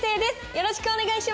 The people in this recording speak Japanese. よろしくお願いします！